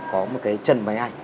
có một cái chân váy ảnh